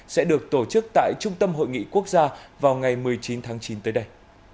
sẽ được tổ chức tại trung tâm hội nghị quốc gia vào ngày một mươi chín tháng chín tới đây